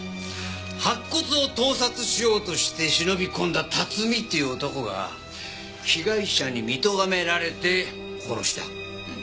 白骨を盗撮しようとして忍び込んだ辰巳っていう男が被害者に見とがめられて殺した。